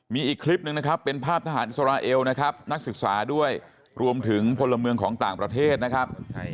มีอีกคลิปหนึ่งนะครับเป็นภาพทหารอิสราเอลนะครับนักศึกษาด้วยรวมถึงพลเมืองของต่างประเทศนะครับ